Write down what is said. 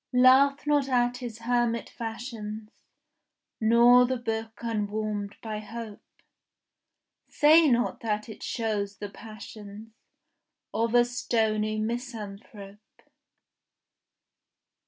Laugh not at his hermit fashions Nor the book unwarmed by hope; Say not that it shows the passions Of a stony misanthrope.